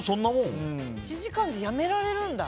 １時間でやめられるんだ？